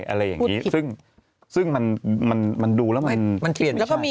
อะไรอย่างนี้ซึ่งมันดูแล้วมันเปลี่ยนไม่ใช่